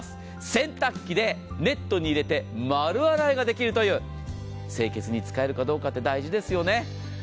洗濯機でネットに入れて丸洗いができるという、清潔に使えるかどうかって大事ですよね。